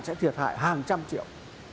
sẽ thiệt hại hàng trăm triệu